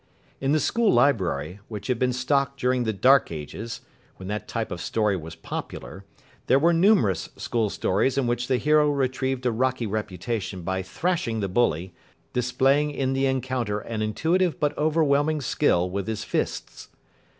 In the school library, which had been stocked during the dark ages, when that type of story was popular, there were numerous school stories in which the hero retrieved a rocky reputation by thrashing the bully, displaying in the encounter an intuitive but overwhelming skill with his fists.